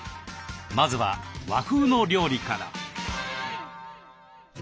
まずは和風の料理から。